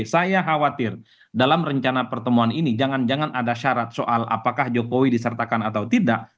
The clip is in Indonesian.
saya khawatir dalam rencana pertemuan ini jangan jangan ada syarat soal apakah jokowi disertakan atau tidak